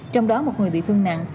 trong đó một người bị thương nặng